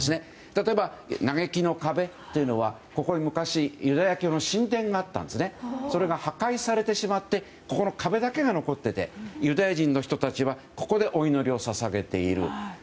例えば、嘆きの壁というのは昔、ユダヤ教の神殿があってそれが破壊されてしまってここの壁だけが残ってて、ユダヤ人の人たちはここでお祈りを捧げている。